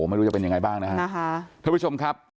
ไม่รู้จะเป็นยังไงบ้างนะคะ